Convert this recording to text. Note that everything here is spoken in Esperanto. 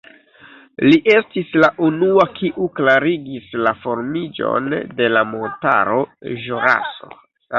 Li estis la unua, kiu klarigis la formiĝon de la montaro Ĵuraso.